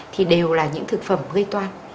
thì đều là những thực phẩm gây toan